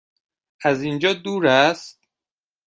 از اینجا دور است؟